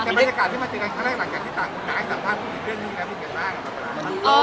เอ่อก็